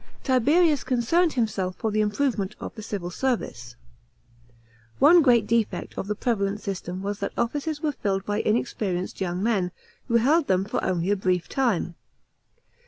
§ 3. Tiberius concerned himself for the improvement of the civil service. One great defect of the prevalent system was that offices were filled by inexperienced young men, who held them for only a brief time.